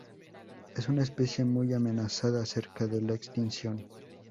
Es una especie muy amenazada, cerca de la extinción.